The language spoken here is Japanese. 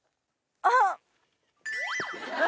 あっ！